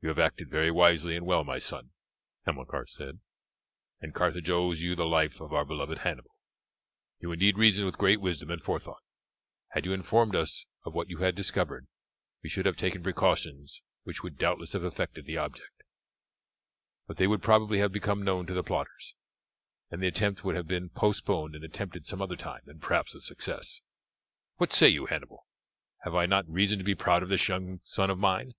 "You have acted very wisely and well, my son," Hamilcar said, "and Carthage owes you the life of our beloved Hannibal. You indeed reasoned with great wisdom and forethought. Had you informed us of what you had discovered we should have taken precautions which would doubtless have effected the object; but they would probably have become known to the plotters, and the attempt would have been postponed and attempted some other time, and perhaps with success. What say you, Hannibal, have I not reason to be proud of this young son of mine?"